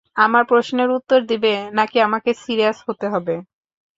আমার প্রশ্নের উত্তর দিবে না কি আমাকে সিরিয়াস হতে হবে?